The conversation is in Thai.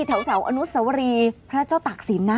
แถวอนุสวรีพระเจ้าตากศิลปนะ